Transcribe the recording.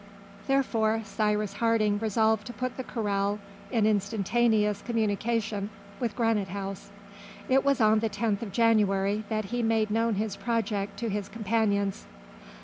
Therefore Cyrus Harding resolved to put the corral in instantaneous communication with Granite House. It was on the 10th of January that he made known his project to his companions.